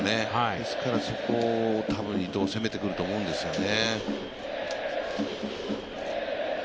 ですから、そこをたぶん伊藤は攻めてくると思うんですね。